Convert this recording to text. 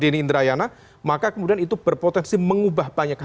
denny indrayana maka kemudian itu berpotensi mengubah banyak hal